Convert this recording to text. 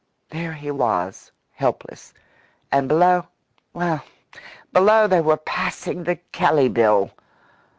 There he was helpless. And below well, below they were passing the Kelley Bill!